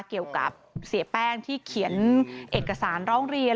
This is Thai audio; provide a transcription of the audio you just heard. เกี่ยวกับเสียแป้งที่เขียนเอกสารร้องเรียน